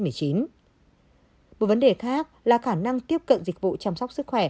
một vấn đề khác là khả năng tiếp cận dịch vụ chăm sóc sức khỏe